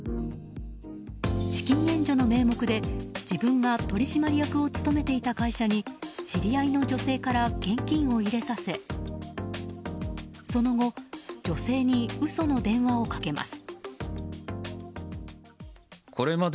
資金援助の名目で自分が取締役を務めていた会社に知り合いの女性から現金を入れさせその後、女性に嘘の電話をかけます。